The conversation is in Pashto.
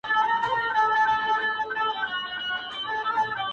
کوټي ته درځمه گراني,